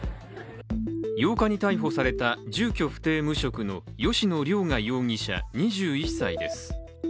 ８日に逮捕された住居不定・無職の吉野凌雅容疑者２１歳です。